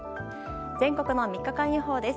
全国の３日間予報です。